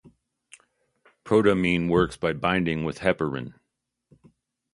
Protamine works by binding with heparin.